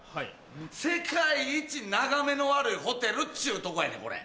世界一眺めの悪いホテルっちゅうとこやねんこれ。